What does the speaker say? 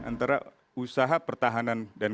antara usaha pertahanan dan